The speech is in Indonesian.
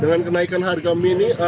dengan kenaikan harga mie ini